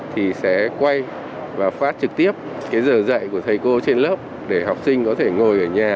thì sẽ quay và phát trực tiếp cái giờ dạy của thầy cô trên lớp để học sinh có thể ngồi ở nhà